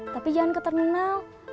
tapi jangan ke terminal